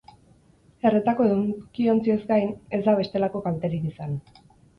Erretako edukiontziez gain, ez da bestelako kalterik izan.